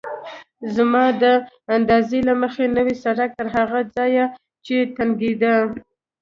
زما د اندازې له مخې نوی سړک تر هغه ځایه چې تنګېده.